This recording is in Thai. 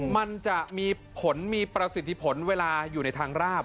มันจะมีผลมีประสิทธิผลเวลาอยู่ในทางราบ